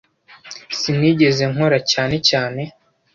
Sinigeze nkora cyane cyane